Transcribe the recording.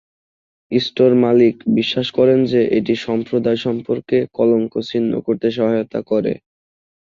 Store মালিক বিশ্বাস করেন যে এটি সম্প্রদায় সম্পর্কে কলঙ্ক ছিন্ন করতে সহায়তা করে।